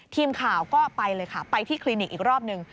ทีมข่าวก็ไปเลยค่ะไปที่คลินิกอีกรอบหนึ่ง